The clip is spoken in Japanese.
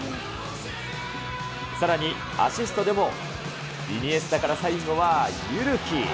さらにアシストでも、イニエスタから、最後は汰木。